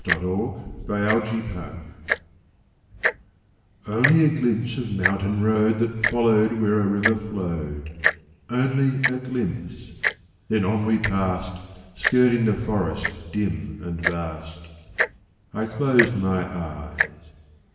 THE MOUNTAIN ROAD Only a glimpse of mountain road That followed where a river flowed ; Only a glimpse — then on we passed Skirting the forest dim and vast. I closed my eyes.